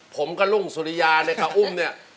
ผมกับลุงสุริยาในกะอุ้มเนี่ย